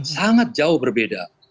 sangat jauh berbeda